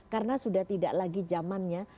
karena sudah tidak lagi zamannya